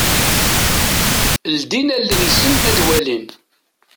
Ldin allen-nsen ad walin.